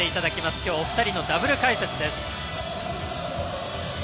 今日はお二人のダブル解説です。